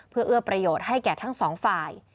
เพื่อเอื้อประโยชน์ให้แก่ทั้งสองฝ่าย